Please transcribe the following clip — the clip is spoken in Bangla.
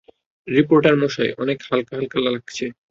রিপোর্টার মশাই, অনেক হালকা হালকা লাগছে।